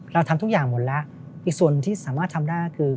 เราทำทุกอย่างหมดแล้วอีกส่วนที่สามารถทำได้คือ